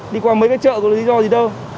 đi qua mấy cái chợ có lý do gì đâu